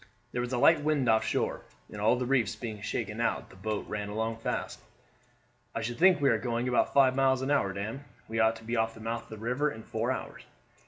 There was a light wind off shore, and all the reefs being shaken out the boat ran along fast. "I should think we are going about five miles an hour, Dan. We ought to be off the mouth of the river in four hours.